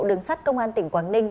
đường sát công an tỉnh quảng ninh